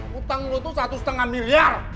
hutang lu tuh satu setengah miliar